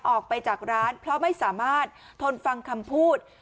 ออกไปจากร้านเพราะไม่สามารถทนฟังคำพูด